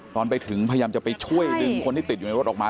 ตอนไปถึงพยายามจะไปช่วยดึงคนที่ติดอยู่ในรถออกมา